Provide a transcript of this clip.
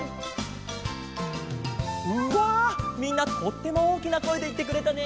うわみんなとってもおおきなこえでいってくれたね。